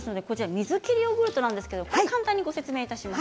水切りヨーグルトなんですけれども簡単にご説明をお願いします。